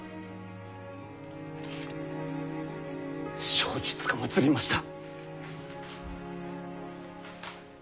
承知つかまつりました。